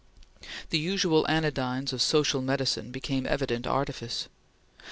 The usual anodynes of social medicine became evident artifice.